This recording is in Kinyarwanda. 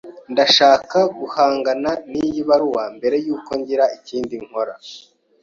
Ndashaka guhangana niyi baruwa mbere yuko ngira ikindi nkora.